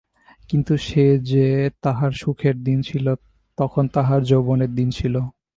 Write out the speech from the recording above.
কিন্তু সে যে তাঁহার সুখের দিন ছিল, তখন তাঁহার যৌবনের দিন ছিল।